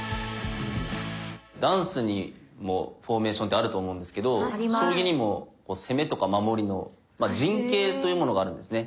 ダンスにもフォーメーションってあると思うんですけど将棋にも攻めとか守りのまあ「陣形」というものがあるんですね。